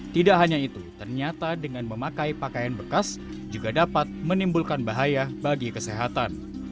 tidak hanya itu ternyata dengan memakai pakaian bekas juga dapat menimbulkan bahaya bagi kesehatan